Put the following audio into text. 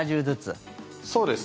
そうです。